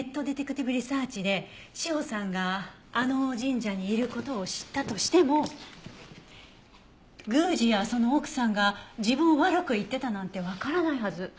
ディテクティブリサーチで詩帆さんがあの神社にいる事を知ったとしても宮司やその奥さんが自分を悪く言ってたなんてわからないはず。